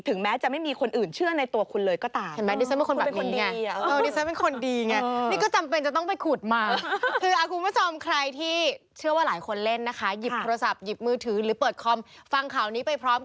แม้จะไม่มีคนอื่นเชื่อในตัวคุณเลยก็ตาม